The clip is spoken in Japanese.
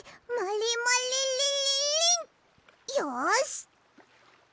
よし！